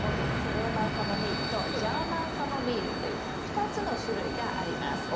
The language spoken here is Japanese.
ローマンカモミールとジャーマンカモミールという２つの種類があります。